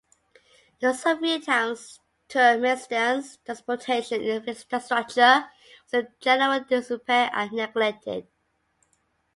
During Soviet times Turkmenistan's transportation infrastructure was in general disrepair and neglected.